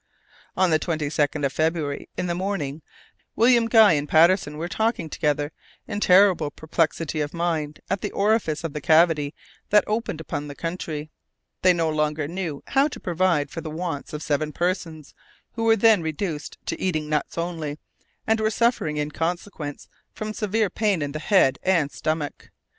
On the 22nd of February, in the morning, William Guy and Patterson were talking together, in terrible perplexity of mind, at the orifice of the cavity that opened upon the country. They no longer knew how to provide for the wants of seven persons, who were then reduced to eating nuts only, and were suffering in consequence from severe pain in the head and stomach.